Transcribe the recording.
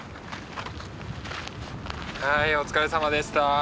はいお疲れさまでした。